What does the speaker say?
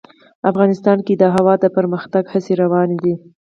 افغانستان کې د هوا د پرمختګ هڅې روانې دي.